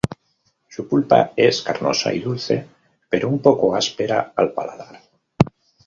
Su pulpa es carnosa y dulce, pero un poco áspera al paladar.